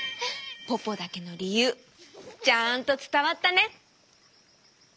ポポだけのりゆうちゃんとつたわったね。